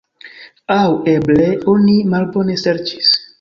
Aŭ eble oni malbone serĉis.